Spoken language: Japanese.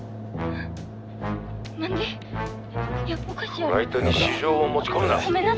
フライトに私情を持ち込むな！